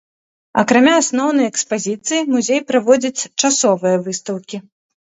Акрамя асноўнай экспазіцыі музей праводзіць часовыя выстаўкі.